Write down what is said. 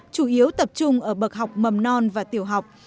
chủ yếu tập trung ở bậc học mầm non và tiểu học